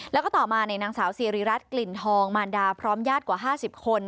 แล้วก็ต่อมานางสาวซีริรัติกลิ่นทองมารดาพร้อมญาติกว่า๕๐คน